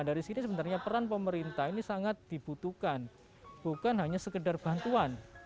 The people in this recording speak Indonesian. dari sini sebenarnya peran pemerintah ini sangat dibutuhkan bukan hanya sekedar bantuan